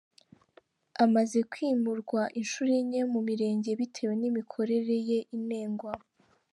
Amaze kwimurwa inshuro enye mu mirenge bitewe n’imikorere ye inengwa.